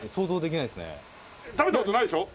食べた事ないでしょ